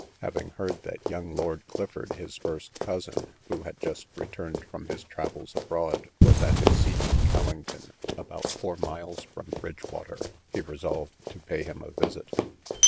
Having heard that young Lord Clifford, his first cousin, (who had just returned from his travels abroad,) was at his seat at Callington, about four miles from Bridgewater, he resolved to pay him a visit.